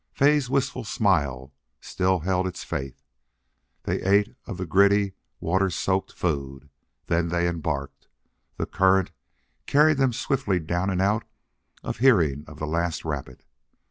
Fay's wistful smile still held its faith. They ate of the gritty, water soaked food. Then they embarked. The current carried them swiftly down and out of hearing of the last rapid.